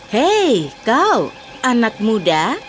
hei kau anak muda